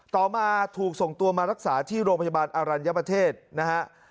ต่อมาถูกส่งตัวมารักษาที่โรงพยาบาลอรัญญประเทศนะฮะ